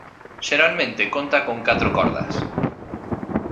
Xeralmente conta con catro cordas.